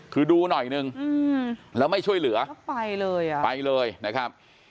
คือดูหน่อยนึงแล้วไม่ช่วยเหลือก็ไปเลยอ่ะไปเลยนะครับ